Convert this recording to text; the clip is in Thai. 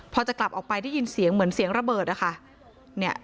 พอจะกลับออกไปได้ยินเสียงเหมือนเสียงระเบิดนะคะ